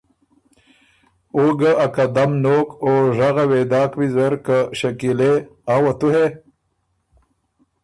او ګۀ ا قدم نوک او ژغه وې داک ویزر که ”شکیلې! آ وه تُو هې؟